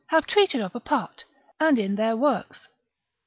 have treated of apart, and in their works.